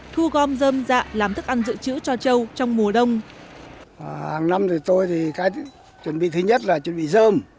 thu gom dơm dạ làm thức ăn dự trữ cho trâu trong mùa đông